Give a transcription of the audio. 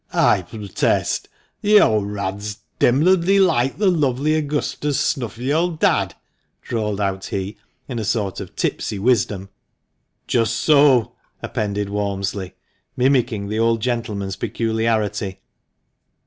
" I protest the old rad's demnibly li ke the lovely Augusta's snuffy old dad," drawled out he, in a sort of tipsy wisdom. "Just so!" appended Walmsley, mimicking the old gentleman's peculiarity.